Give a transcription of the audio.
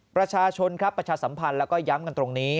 ประชาชนครับประชาสัมพันธ์แล้วก็ย้ำกันตรงนี้